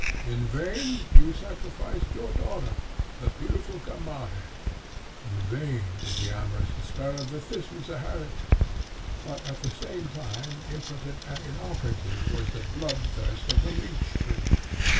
In vain you sacrificed your daughter, the beautiful Gamaheh; in vain was the amorous despair of the Thistle, Zeherit; but at the same time impotent and inoperative was the blood thirst of the Leech Prince.